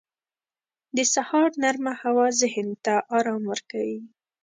• د سهار نرمه هوا ذهن ته آرام ورکوي.